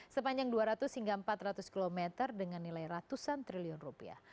sepanjang dua ratus hingga empat ratus km dengan nilai ratusan triliun rupiah